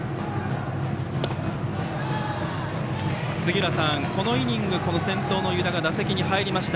杉浦さん、このイニング先頭の湯田が打席に入りました。